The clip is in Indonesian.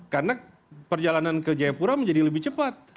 karena perjalanan ke jayapura menjadi lebih cepat